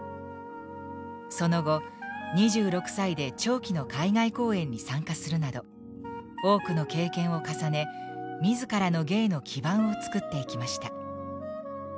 その後２６歳で長期の海外公演に参加するなど多くの経験を重ね自らの芸の基盤を作っていきました。